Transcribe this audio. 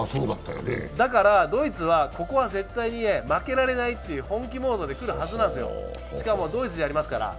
だからドイツはここは絶対に負けられない本気モードでくるはずなんですよ、しかもドイツでやりますから。